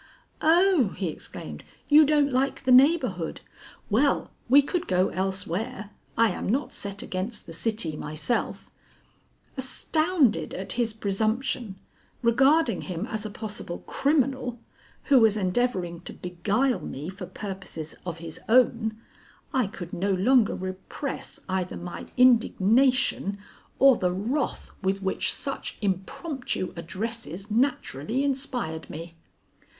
"Oh!" he exclaimed, "you don't like the neighborhood. Well, we could go elsewhere. I am not set against the city myself " Astounded at his presumption, regarding him as a possible criminal, who was endeavoring to beguile me for purposes of his own, I could no longer repress either my indignation or the wrath with which such impromptu addresses naturally inspired me.